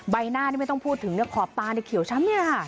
ใบหน้านี่ไม่ต้องพูดถึงเนี่ยขอบตาเนี่ยเขียวช้ำเนี่ยค่ะ